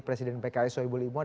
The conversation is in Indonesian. presiden pks soebubul imoan